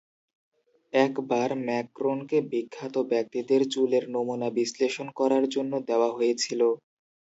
একবার, ম্যাকক্রোনকে বিখ্যাত ব্যক্তিদের চুলের নমুনা বিশ্লেষণ করার জন্য দেওয়া হয়েছিল।